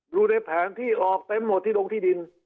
อยู่ในแผนที่ออกเต็มหมดที่ลงที่ดิน